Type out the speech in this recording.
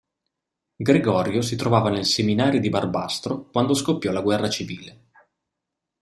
Gregorio si trovava nel seminario di Barbastro quando scoppiò la guerra civile.